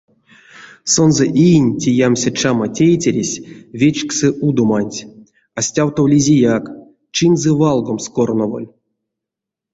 Сонзэ иень те ямся чама тейтересь вечксы удоманть, а стявтовлизеяк — чинзэ валгомс корноволь.